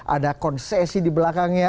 ada konsesi di belakangnya